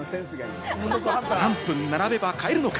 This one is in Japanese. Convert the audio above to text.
何分並べば買えるのか？